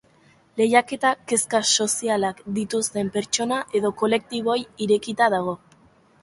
Lehiaketa kezka sozialak dituzten pertsona edo kolektiboei irekita dago.